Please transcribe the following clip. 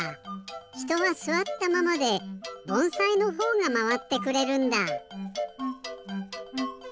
ひとはすわったままでぼんさいのほうがまわってくれるんだ。